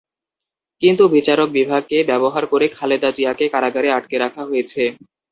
কিন্তু বিচার বিভাগকে ব্যবহার করে খালেদা জিয়াকে কারাগারে আটকে রাখা হয়েছে।